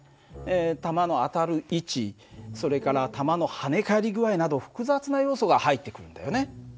弾の当たる位置それから弾の跳ね返り具合など複雑な要素が入ってくるんだよね。